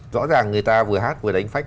rõ ràng người ta vừa hát vừa đánh phách